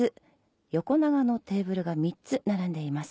横長のテーブルが３つ並んでいます。